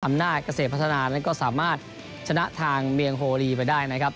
อำนาจเกษตรพัฒนานั้นก็สามารถชนะทางเมียงโฮลีไปได้นะครับ